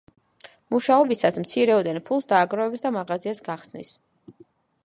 მუშაობისას მცირეოდენ ფულს დააგროვებს და მაღაზიას გახსნის.